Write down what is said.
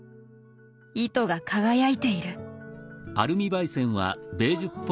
糸が輝いている。